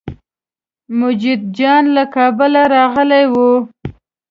مجید جان له کابله راغلی و.